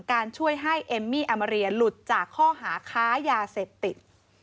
การช่วยให้เอมมี่อามาเรียหลุดจากข้อหาค้ายาเสพติด